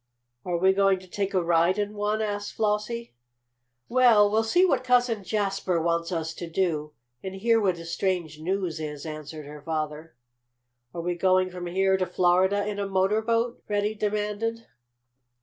"And are we going to ride in one?" asked Flossie. "Well, we'll see what Cousin Jasper wants us to do, and hear what his strange news is," answered her father. "Are we going from here to Florida in a motor boat?" Freddie demanded.